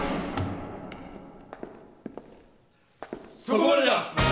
そこまでだ！